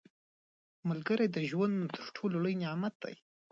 • ملګری د ژوند تر ټولو لوی نعمت دی.